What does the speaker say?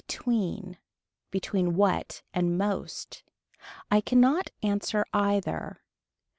Between what and most. I cannot answer either.